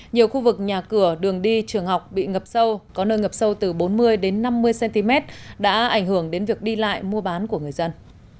nhiều khu vực nhà cửa đường đi trường học bị ngập sâu có nơi ngập sâu từ bốn mươi năm mươi cm đã ảnh hưởng đến việc đi lại mua bán của người dân